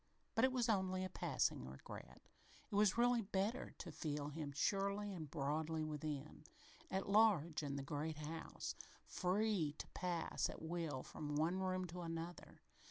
But it was only a passing regret. It was really better to feel him surely and broadly within at large in the great house, free to pass at will from one room to another.